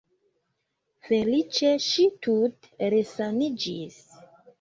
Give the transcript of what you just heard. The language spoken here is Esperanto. Feliĉe ŝi tute resaniĝis.